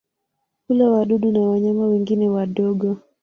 Hula wadudu na wanyama wengine wadogo.